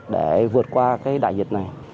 để vượt qua cái đại dịch này